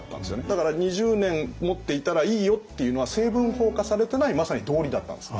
だから２０年持っていたらいいよっていうのは成文法化されてないまさに道理だったんです。